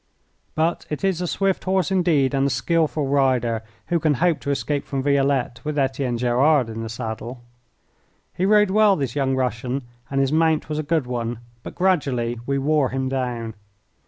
But it is a swift horse indeed and a skilful rider who can hope to escape from Violette with Etienne Gerard in the saddle. He rode well, this young Russian, and his mount was a good one, but gradually we wore him down.